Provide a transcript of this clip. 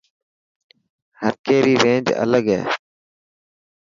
هر ڪي ري رينج الگ هي.